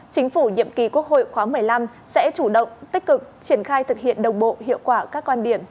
chính phủ nhiệm kỳ quốc hội khóa một mươi năm sẽ chủ động tích cực triển khai thực hiện đồng bộ hiệu quả các quan điểm